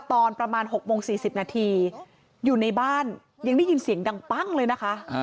ตอนประมาณ๖โมง๔๐นาทีอยู่ในบ้านยังได้ยินเสียงดังปั้งเลยนะคะ